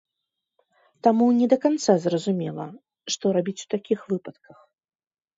Таму не да канца зразумела, што рабіць у такіх выпадках.